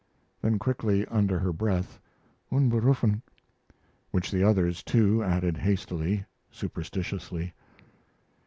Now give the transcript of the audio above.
Then quickly, under her breath, "Unberufen," which the others, too, added hastily superstitiously.